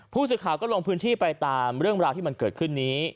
ผู้สื่อข่าวก็ลงพื้นที่ไปตามเรื่องราวที่มันเกิดขึ้นนี้